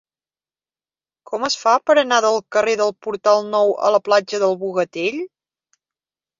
Com es fa per anar del carrer del Portal Nou a la platja del Bogatell?